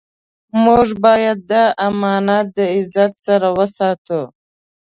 موږ باید دا امانت د عزت سره وساتو.